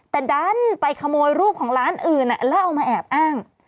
แต่ดันไปขโมยรูปของร้านอื่นแล้วเอามาแอบอ้าง